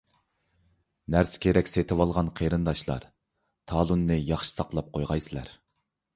نەرسە-كېرەك سېتىۋالغان قېرىنداشلار، تالوننى ياخشى ساقلاپ قويغايسىلەر.